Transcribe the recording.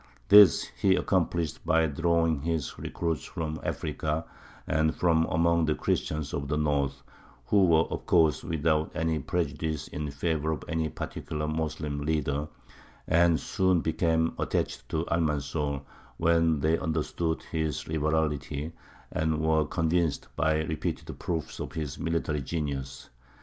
This he accomplished by drawing his recruits from Africa and from among the Christians of the north, who were of course without any prejudice in favour of any particular Moslem leader, and soon became attached to Almanzor, when they understood his liberality, and were convinced by repeated proofs of his military genius.